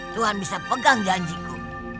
tuhan bisa pegang janjiku